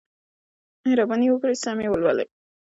مهرباني وکړئ سم یې ولولئ.